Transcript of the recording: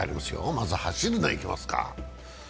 まず「走るな！」いきますか。